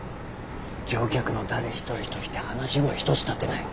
乗客の誰一人として話し声一つ立てない。